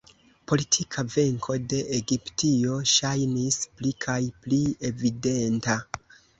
Politika venko de Egiptio ŝajnis pli kaj pli evidenta.